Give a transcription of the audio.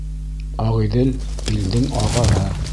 Ағиҙел- илдең яғаһы.